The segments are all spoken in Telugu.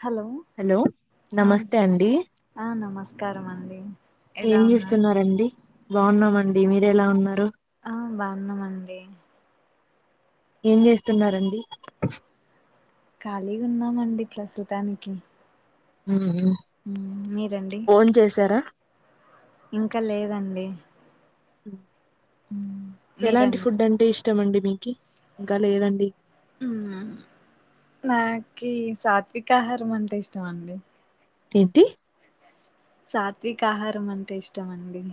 హలో హలో ఆ నమస్తే అండి ఆ నమస్కారం అండి ఎలా ఏం ఉన్నారు చేూస్తునారు అండి బాగున్నామండి మీర ఎలా ఉన్నారు ఆ బాగున్నామండి ఏం చేస్తునారు అండి ఖాళీగా ఉన్నామండి ప్రస్తుతానికి మ్మ్ హ్మ్ మ్ మీరండి బోన్ చేసారా ఇంకా లేదండి మ్ ఎలాంటి మీరండి ఫుడ్ అంటే ఇష్ట ఇష్టమండి మీకీ ఇంకా లేదండి ఉమ్ నాకి సాత్విక ఆహారం అంటే ఇష్టం అండి. ఏంటి? సాత్విక ఆహారం అంటే ఇష్టమండి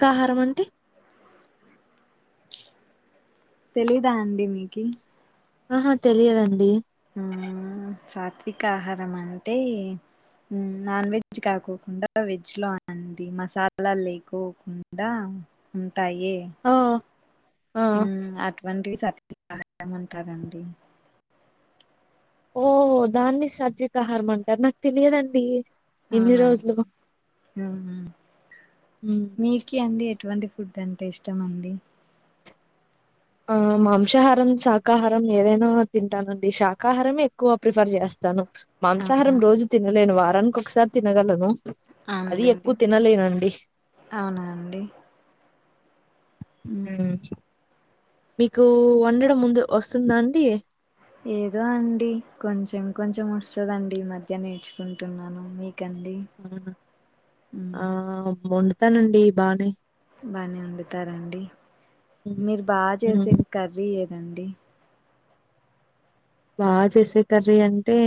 కా ఆహారం అంటే తెలీదా అండి మీకీ ఆహా తెలియదండి. ఆ సాత్విక ఆహారం అంటే నాన్ వెజ్ కాకోకుండా వెజ్ లో అన్ అండి మసాలాల్ లేకోకుండా టాయే ఆ ఆ ఉమ్ అటువంటివి సరి అలా ఏమంటారండి? ఓహ దాన్ని సద్వికాహారం అంటారా, నాకు తెలియదండి. ఇన్ని అవునా రోజులు ఉహు మ్మ్. మీకీ అండి ఎటువంటి ఫుడ్ అంటే ఇష్టమండి? ఆ మాంసాహారం, శాకాహారం ఏదైనా తింటానండి శాకాహారంమే ఎక్కువ ప్రిఫర్ చేస్తాను. అవునా మాంసాహారం రోజు తినలేను వారానికి ఒకసారి తినగలను అది ఎక్కువ తినలేనండి. ఆ అండి మ్మ్ ఉమ్ మీకు వండడం ముందు వస్తుందా అండి? ఏదో అండి కొంచెం కొంచెం వస్తదండి, ఈ మధ్య నేర్చుకుంటున్నాను మీక్ ఆ ఆ వండుతానండి బానే బానే వండుతార అండి, హ్మ్. మీరు బా చేసే హ్మ్. కర్రీ ఎద్ దండి బాగా చేసే కర్రీ అంటే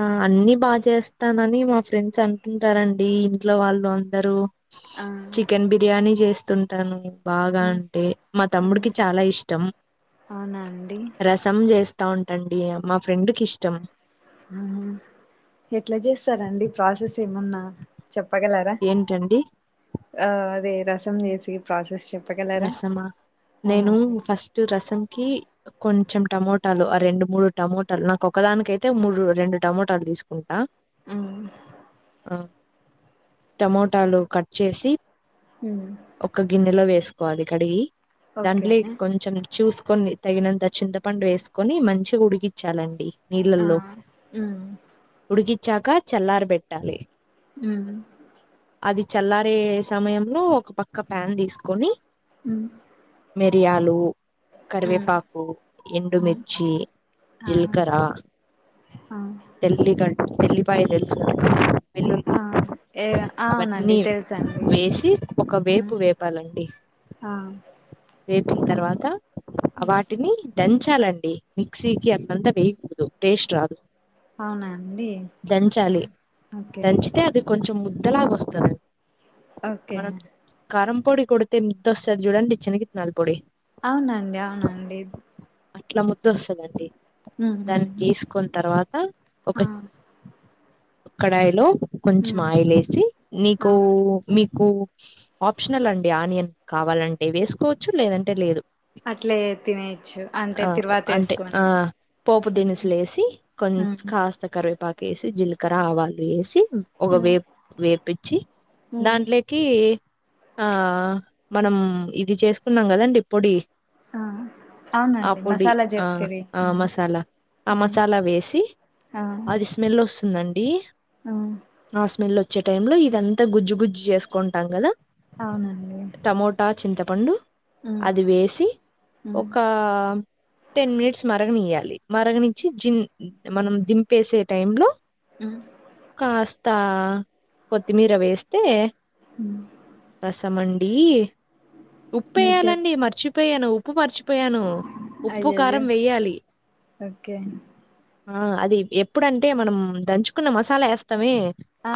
ఆ అన్ని బా చేస్తానని మా ఫ్రెండ్స్ అంటుంటారండి ఇంట్లో వాళ్ళు అందరూ ఆ చికెన్ బిర్యానీ చేస్తుంటాను. బాగా ఉమ్ అంటే మా తమ్ముడికి ఉమ్ చాలా ఇష్టం, అవునా అండి రసం చేస్ తా ఉంటండి మా ఫ్రెండ్ కి ఇష్టం ఆ ఎట్లా చేస్తారండి ప్రాసెస్ ఏమన్నా? చెప్పగలరా ఏంటండి? ఆ అదే రసం చేసి ప్రాసెస్ చెప్ రసమా, నేను ఫస్ట్ రసం కీ కొంచెం టమోటాలు ఆ రెండు మూడు టమోటాలు నాకు ఒకదానికయితే మూడు రెండు టమోటాలు తీ తీసుకుంటా అ టమోటాలు కట్ చేసి ఉమ్ ఒక గిన్నెలో వేసుకోవాలి కడిగి, ఓకే దాంట్లో ఈ కొంచెం చూసుక్ కొన్ని తగినంత చింతపండు ఏసుకొని మంచిగా ఉడికిచ్చాలండి. ఆ నీళ్ళల్లో ఉమ్ ఉడికిచ్చాక చల్లారిబెట్టాలి. ఉమ్ అది చల్లారే సమయంలో ఒక పక్క ప్యాన్ తీసుకొని ఉమ్ మిరియాలు ఉమ్ కరివేపాకు, ఉమ్ ఎండుమిర్చి, ఆ జీలకర్ర ఆ తెల్లి గడ్ తెల్లిపాయ తెలుసు కదండి వెల్లుల్లి ఆ ఏ అవునండి అవన్నీ తెలుసండి వేసి ఒక వేపు హ్మ్. వేపాలండి ఆ వేపిన తర్వాత వాటిని దంచాలండి మిక్సీకి అట్లంతా వేకూడదు టేస్ట్ రాదు అవునా అండి దంచాలి ఓకే దంచితే అది కొంచెం ముద్దలాగా వస్తది ఓకే పొడి కొడితే ఎంతస్తదో చుడండి చాణిగిత్నలా పొడి అవునండి అవునండి అట్లా ముదుస్తుదండి హ్మ్ దాన్ని హ్మ్ తీసుకున్న తర్వాత ఒక ఆ కడాయిలో కొంచెం హ్మ్ ఆయిల్ వేసి ఆ నీకు మీకు కు ఆప్షనల్ అండి ఆనియన్ కావాలంటే వేసుకోవచ్చు లేదంటే లేదు అట్లే తినేయచ్చు అంటే తిరువాత అంటే ఆ వేసుకొని పోపు దినుసులు ఏసీ హ్మ్ కాస్త కరివేపాక వేసి జీలకర్ర ఆవాలు వేసి ఒక హ్మ్ వేపు వేపిచ్చి హ్మ్ దాంట్లోకి ఆ మనం ఇది చేసుకున్నాం కదండి పొడి ఆ ఆ అవునండి పొడి మసాలా ఆ చెప్తిరి ఆ హ్మ్ మసాలా ఆ హ్మ్ మసాలా వేసి ఆ అది స్మెల్ వస్తుందండి ఆ ఆ స్మెల్ వచ్చే టై లో ఇదంతా గుజ్జు గుజ్జు చేసుకుంటాం కదా అవునండి టమోటా చింతపండు హ్మ్ అది వేసి హ్మ్ ఒక టెన్ మినిట్స్ మరగ నెయ్యాలి మరగ ను మనం దింపేసే టై లో హ్మ్ కా కొత్త కొత్తిమీర వేస్తే హ్మ్ రసం మీరు చెప్ ఉప్పుేయాలండి మర్చిపోయాను ఉప్పు మరిచిపోయాను ఉప్పు అయ్యయ్యో కారం వెేయ్యాలి ఓకే ఆ అది ఎప్పుడంటే మనం దంచుకున్న మసాలా వేస్తామే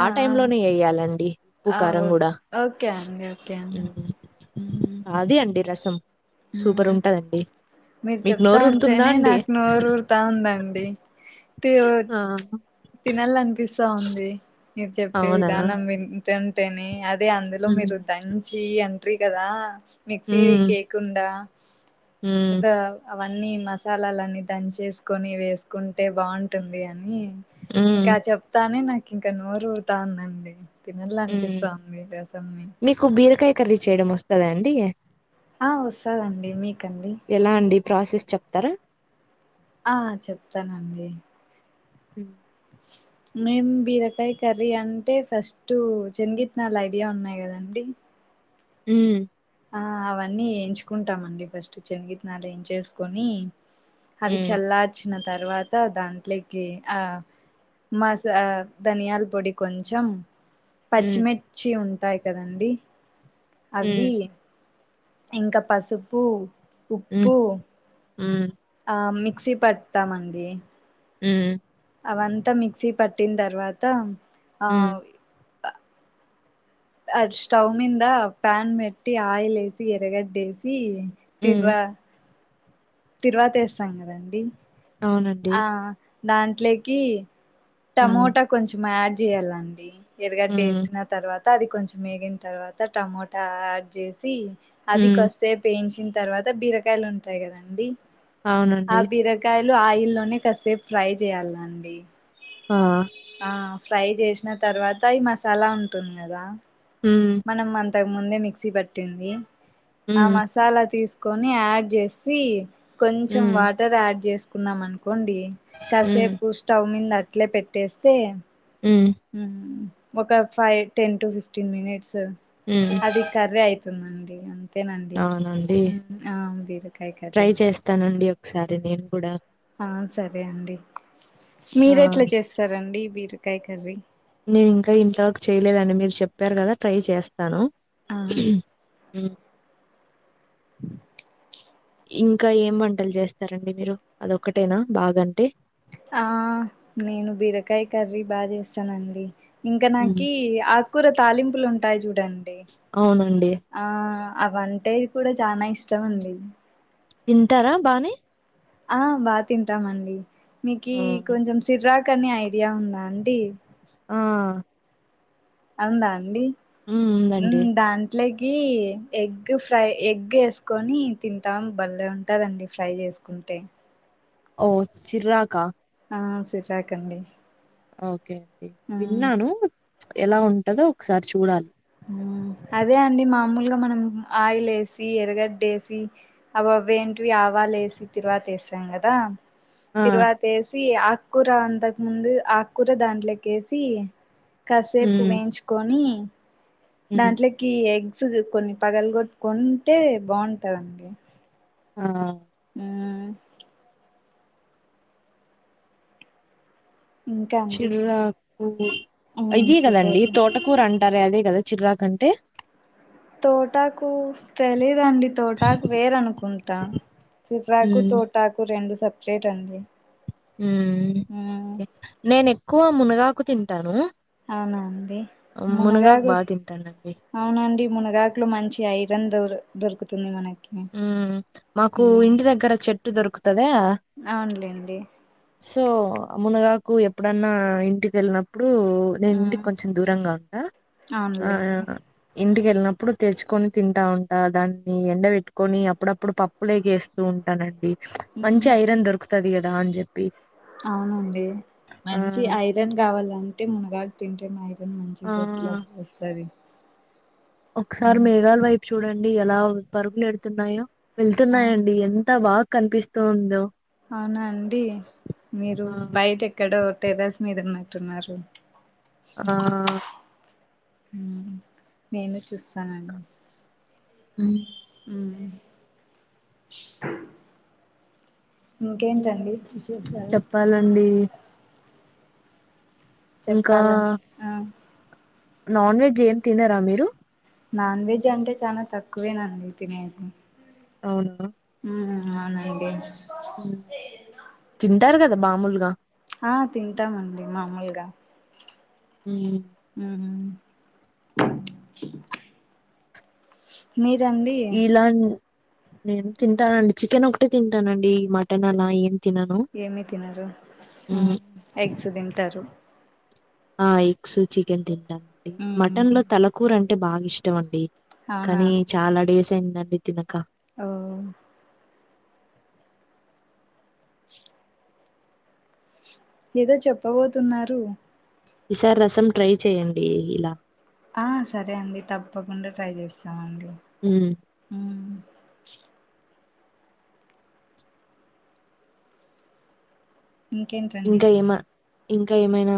ఆ టై లోనే వయ్యాలండి ఉప్పు ఆ ఓ కారం కూడా ఓకే అండి ఓకే అండి హ్మ్ అదే అండి రసం సూపర్ హ్మ్ ఉంటుందండి మీరు చెప్తా ఉంటేనే నాకు నోరుఊరుతా ఉందండి ఆ! తినాలనిపిస్తా ఉంది నకు చెప్పే అవునా? విధానం వింటుంటే అట్టే అదే అందులో హ్మ్. మీరు దంచి ఎంట్ర్రి కదా మిక్సీ హ్మ్. కేక్ండ హ్మ్. దా అవన్నీ మసాలాలన్నీ దని చేసుకొని వేసుకుంటే బాగుంటుంది అని హ్మ్. ఇంకా చెప్తానే నాకు ఇంకా నోరుఊతా ఉందండి తినడానికి హ్మ్. ఇస్తాంది దతన్ని మీకు బీరకాయ కర్రీ చేయడం వస్తదండి ఆ వస్తదండి మీకండి ఎలా అండి ప్రాసెస్ చెప్తారా ఆ చెప్తానండి హ మేం బీరకాయ కర్రీ అంటే ఫస్ట్ శన్గిత్నాళ ఐడియా ఉన్నాయి కదా అండి ఉ ఆ అవన్నీ ఎయించుకుంటామ అండి ఫస్ట్ శనగితనాలు ఏంచేసుకుని అవి హ్మ్. చల్లార్చిన తర్వాత దాంట్లోకి ఆ మసా దనియాల పొడి కొంచం హ్మ్. పచ్చిమిర్చి ఉంటాయి కదండి అవి హ్మ్. ఇంకా పసుపు ఉప్పు హ్మ్. హ్మ్. ఆ మిక్సీ పడ్తామండి ఉమ్ అవంతా మిక్సీ పట్టిన తర్వాత హ్మ్. అవి అ స్టవ్ మీంద ప్యాన్ పెట్టి ఆయిల్ వేసి ఎరగడ్డేసి హ్మ్. తిర్వా తిరువాతి ఎస్తాం కదండి అవునండి ఆ దాంట్లోకి హ్మ్. టమోటా కొంచెం యాడ్ చేయాలండి ఎరగడ్డ హ్మ్. వేసిన తర్వాత అది కొంచెం ఎగిన తర్వాత టమోటా యాడ్ చేసి అది హ్మ్. కొద్దిసేపు ఎయించిన తర్వాత బీరకాయలు ఉంటాయి కదండి ఆ అవునండి బీరకాయలు ఆయిల్లోనే కాసేపు ఫ్రై చేయ్యాల అండి ఆ ఫ్రై జేసిన తర్వాత ఈ మాసాలా ఉంటుంది కద హ్మ్. మనం అంతకుముందే మిక్సీ పట్టింది ఆ హ్మ్. మసాలా తీసుకొని యాడ్ చేసి కొంచెం హ్మ్. వాటర్ యాడ్ చేసుకున్నాం అనుకోండి హ్మ్. కాసేపు స్టవ్ మీద అట్లే పెట్ ట్టేస్తే హ్మ్. ఒక five ten to fifteen minutes హ్మ్. అది కర్రీ అయితుందండి అ అవునండి బీరకాయ ట్రై కర్రీ చేస్తానండి ఒకసారి నేను కూడా ఆ సరే అండి ఆ! మీరు ఎట్లా చేస్తారండి బీరకాయ కర్రీ నేను ఇంకా ఇంతవరకు చేయలేదండి మీరు చెప్పారు కదా ట్రై చేస్ స్తాను ఆ మ్ ఇంకా ఏం వంటలు చేస్తారండి మీరు అదొక్కటేనా బాగాంటే ఆ నేను బీరకాయ కర్రీ బా చేస్తానండి ఇంకా హ్మ్. నాకి ఆకూర తాలింపులు ఉంటాయి చూడండి అవునండి. ఆ అవంటే కూడా చాల ఇష్టం అండి తింటారా బానే ఆ బాగా తింటామండి మీకి హ్మ్. కొంచెం సిర్రా కని ఐడియా ఉందా అండి ఆ వుందా అండి హ్మ్. మ్ ఉందండి. దాంట్లో గీ ఎగ్ ఫ్రై ఎగ్ వేసుకొని తింటాం బలే ఉంటదండి ఫ్రై చేసుకు టే ఓ సిర్రాక ఆ సిర్రాకండి ఓకే విన్నాను ఎలా ఉంటదో ఒకసారి చూడాలి హ్మ్. అదే అండి మామూలుగా మనం ఆయిల్ వేసి ఎరగడ్డ వేసి అవవి ఏంటి ఆవ అలేసి తిరువాతి ఎస్తాం కదా ఆ! తిరువాతి వేసి ఆ ఆకూర అంతకు ముందు ఆకుకూర దాంట్లో కేసి కాసేపు హ్మ్. వేయించుకొని హ్మ్. దాంట్లోకి ఎగ్స్ కొన్ని పగలు గొట్టుకొంటే బావుంటదండి ఆ ఉమ్ ఇంకా అండి చిర్రాకు మ్మ్ ఇదే కదండీ సిర్జాకు తోటకూర అం టారే అదే కదా చిర్రాకు అంటే తోటాకు తెలీదు దే అండి తోటాకు వేరనుకుంటా సిర్రాకు హ్మ్. తోటాకు రెండు సెప్ రేటండి ఉమ్ నేను ఎక్కువ మునగాకు తింటాను అవునా అండి మునగాకు బా తింటానండి. అవునండి మునగాకులు మంచి ఐరన్ దొర్ దొరుకుతుంది మనకి హ్మ్. మాకు మ్మ్ ఇంటి దగ్గర చెట్టు దొరుకుతదా అవునులేండి సో మునగాకు ఎప్పుడన్నా ఇంటి కెళ్నప్పుడు ఇప్పుడు నేను ఉమ్ ఇంటికి కొంచెం దూరంగా ఉంటా ఆ అవునులేండి ఇంటికి వెళ్ళినప్పుడు తెచ్చుకొని తింటా ఉంటా దాన్ని ఎండ పెట్టు కొని అప్పుడప్పుడు పప్పులేకి వేస్తూ ఉంటానండి మంచి ఉమ్ ఐరన్ దొరుకుతది కదా అని చెప్పి అవునండి మంచి ఐరన్ కావాలంటే మునగాకు తింటే ఐరన్ మంచి ఆహ్, దొడ్లాక్ వస్తాది ఒకసారి మేఘాల వైపు చూడండి ఎలా పరుగులు పెడుతున్నాయో ఆ వెళ్తున్నాయండి ఎంత బాగా కనిపిస్తోందో అవునా అండి మీరు ఆహ్, బయట ఎక్కడో టేరస్ మీద ఉన్నా టున్నారు ఆ నేను చూస్తానండి ఉమ్ ఇంకేంటండి విశేషాలు చెప్పాలండి ఇంకా చెప్పాలన్ ఆ నాన్ వెజ్ ఏం తినరా మీరు నాన్ వెజ్ అంటే చాలా తక్కువేనండి తినేది అవును ఉమ్ అవునా అండి తింటారు కదా మామూలుగా ఆ తింటామండి మామూలుగా హ్మ్ ఉమ్ మీర్ ఇలాన్ నేను తింటానండి చికెన్ ఒకటే తింటానండి మటన్ అలా ఏం తినను. ఏమి తినరు హుహు. ఎగ్స్ తింటారు ఆ ఎగ్స్ చికెన్ తింటాం డి మటన్ లో తలకూర అంటే బాగా ఇష్టం అండి అవునా కానీ చాలా డేస్ అయిందండి తినక ఓ ఏదో చెప్పబోతున్నారు ఈ సారి రసం ట్రై చేయన్డి ఇలా ఆ సరే అండి తప్పకుండా ట్రై చేస్తామండి ఉమ్ ఇంకేంటండి ఇంకా ఏమ ఇంకా ఏమైనా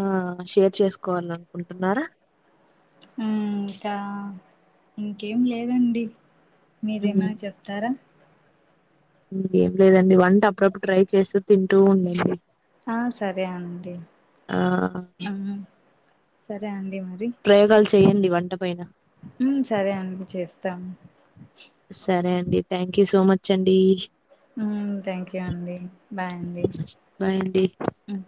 షేర్ చేసుకోవాలనుకుంటున్నారా మ్ ఇంకా ఇంకేం లేదండి మీరేమైనా హ్మ్. చెప్తారా ఏం లేదండి వంట అప్పుడప్పుడు ట్రై చేస్తూ తింటూ ఉండండి ఆ సరే అండి ఆహ్, అ సరే అం డి మరి ప్రయోగాలు చేయండి వంట పైన మ్ సరే అండి చేస్తా డి థ్యాంక్ యూ సో మచ్ అండి మ్ థ్యాంక్ యూ అండి బాయ్ అండి బాయ్ అండి మ్